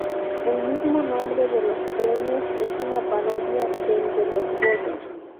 El mismo nombre de los premios es una parodia del de los Goya.